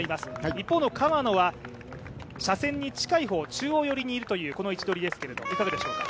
一方の川野は車線に近い方、中央寄にいるこの位置取りですけれども、いかがでしょうか？